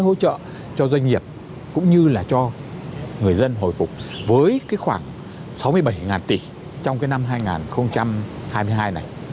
hỗ trợ cho doanh nghiệp cũng như là cho người dân hồi phục với cái khoảng sáu mươi bảy tỷ trong cái năm hai nghìn hai mươi hai này